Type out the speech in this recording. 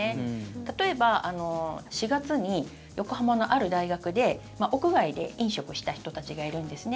例えば、４月に横浜のある大学で屋外で飲食した人たちがいるんですね。